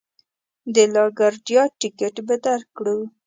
د لا ګارډیا ټکټ به درکړو.